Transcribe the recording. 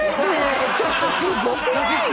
ちょっとすごくない？